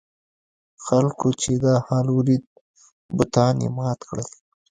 خلکو چې دا حال ولید بتان یې مات کړل.